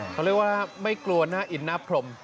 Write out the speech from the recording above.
เขาเรียกว่าไม่กลัวหน้าอินหน้าพรม